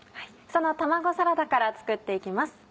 その卵サラダから作って行きます。